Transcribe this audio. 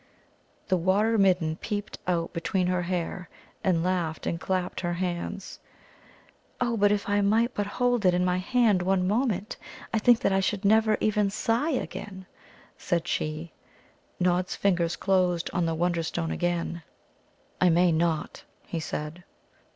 The Water midden peeped out between her hair, and laughed and clapped her hands. "Oh, but if I might but hold it in my hand one moment, I think that I should never even sigh again!" said she. Nod's fingers closed on the Wonderstone again. "I may not," he said.